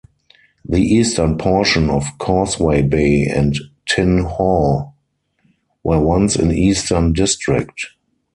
The eastern portion of Causeway Bay and Tin Hau were once in Eastern District.